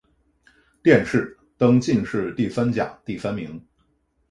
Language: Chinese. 殿试登进士第三甲第三名。